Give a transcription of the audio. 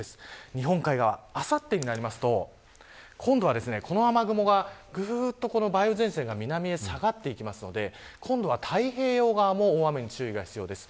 日本海側、あさってになりますと今度は、この雨雲がぐーっと梅雨前線が南に下がっていきますので今度は太平洋側も大雨に注意が必要です。